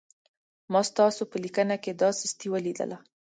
ما ستاسو په لیکنه کې دا سستي ولیدله.